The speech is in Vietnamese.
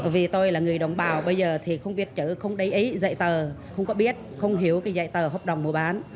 vì tôi là người đồng bào bây giờ thì không viết chữ không đầy ý dạy tờ không có biết không hiểu cái dạy tờ hợp đồng mua bán